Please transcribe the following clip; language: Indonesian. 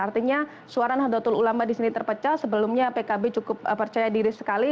artinya suara nahdlatul ulama di sini terpecah sebelumnya pkb cukup percaya diri sekali